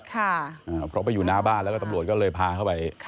เพราะไปอยู่หน้าบ้านแล้วก็ตำรวจก็เลยพาเข้าไป